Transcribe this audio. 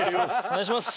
お願いします。